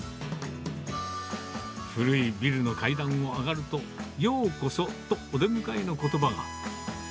古いビルの階段を上がると、ようこそとお出迎えのことばが。